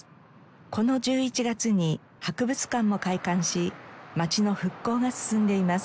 この１１月に博物館も開館し町の復興が進んでいます。